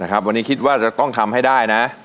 วันนี้คิดว่าจะต้องทำให้ได้นะ